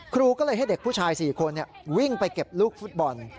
ครูก็เลยให้เด็กผู้ชาย๔คนวิ่งไปเก็บลูกฟุตบอล